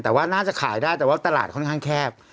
แต่ว่าน่าจะขายได้แต่ว่าตลาดค่อนข้างแคบ